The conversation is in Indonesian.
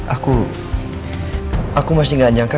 aku aku masih nggak jangka